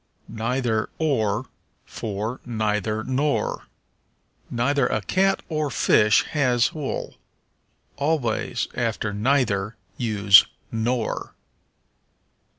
Neither or for Neither nor. "Neither a cat or fish has wool." Always after neither use nor.